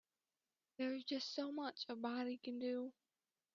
There's just so much a body can do.